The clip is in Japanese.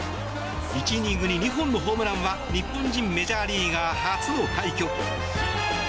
１イニングに２本のホームランは日本人メジャーリーガー初の快挙。